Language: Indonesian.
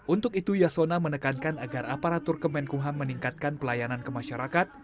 untuk itu yasona menekankan agar aparatur kemenkumham meningkatkan pelayanan ke masyarakat